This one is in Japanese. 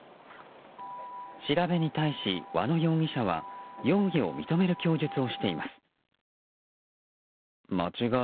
調べに対し和野容疑者は容疑を認める供述をしています。